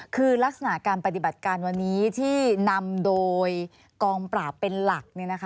คือลักษณะการปฏิบัติการวันนี้ที่นำโดยกองปราบเป็นหลัก